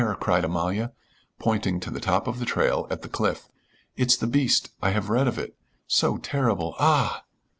cried Amalia, pointing to the top of the trail at the cliff. "It's the beast. I have read of it so terrible! Ah!"